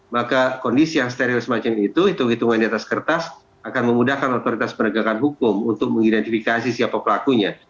maka kondisi yang steril semacam itu hitung hitungan di atas kertas akan memudahkan otoritas penegakan hukum untuk mengidentifikasi siapa pelakunya